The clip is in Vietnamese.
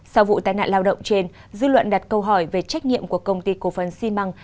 sau vụ tai nạn lao động trên dư luận đặt câu hỏi về trách nhiệm của công ty cổ phần xi măng